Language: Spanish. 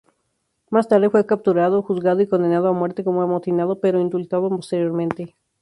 Más tarde fue capturado, juzgado y condenado a muerte como amotinado, pero indultado posteriormente.